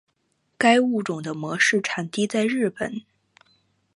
该物种的模式产地在日本。